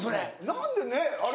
何でねっあれ。